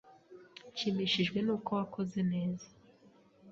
Nshimishijwe nuko wakoze neza.